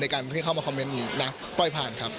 ในการเพิ่งเข้ามาคอมเมนต์อย่างนี้นะปล่อยผ่านครับ